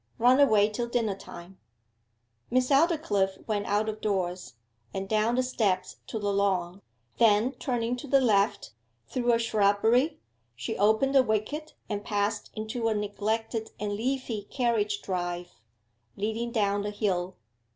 Run away till dinner time.' Miss Aldclyffe went out of doors, and down the steps to the lawn: then turning to the left, through a shrubbery, she opened a wicket and passed into a neglected and leafy carriage drive, leading down the hill.